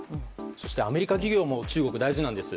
そしてアメリカ企業も中国が大事なんです。